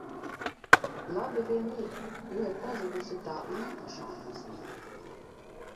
Labi vien ir, jo ir pazudusi tā īpašā nozīmē.